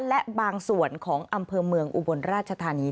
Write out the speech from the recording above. และบางส่วนของอำเภอเมืองอุบลราชธานี